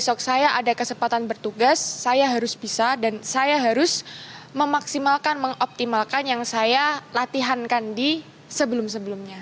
besok saya ada kesempatan bertugas saya harus bisa dan saya harus memaksimalkan mengoptimalkan yang saya latihankan di sebelum sebelumnya